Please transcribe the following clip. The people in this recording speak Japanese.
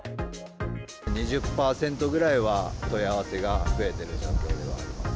２０％ぐらいは問い合わせが増えてる状況ではあります。